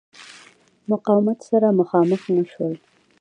مقاومت سره مخامخ نه شول.